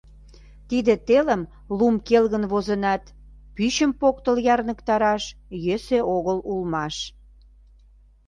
Тиде телым лум келгын возынат, пӱчым поктыл ярныктараш йӧсӧ огыл улмаш.